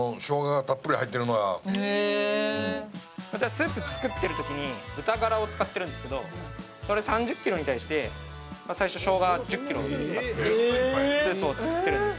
スープ作ってるときに豚がらを使ってるんですがそれ３０ｋｇに対してショウガ１０ｋｇ使ってスープを作ってるんです。